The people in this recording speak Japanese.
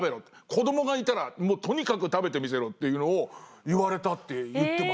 子どもがいたらとにかく食べてみせろっていうのを言われたって言ってました。